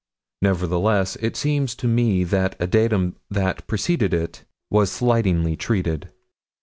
Nevertheless, it seems to me that a datum that preceded it was slightingly treated.